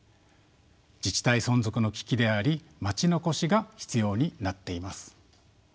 自治体存続の危機であり「まちのこし」が必要になっています。